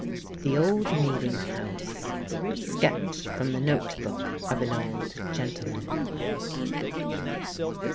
THE OLD MEETING HOUSE. SKETCH FROM THE NOTE BOOK OF AN OLD GENTLEMAN.